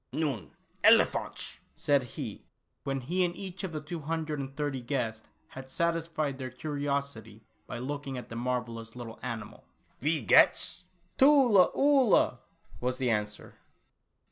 " Nun, elephantchen," said he, when he and each of the two hundred and thirty guests had 50 Tula Oolah. satisfied their curiosity by looking at the mar vellous little animal. " Wie geht's ?" "Tula Oolah," was the answer.